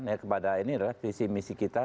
ya kepada ini adalah visi misi kita